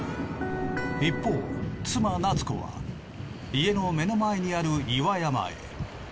一方妻夏子は家の目の前にある岩山へ。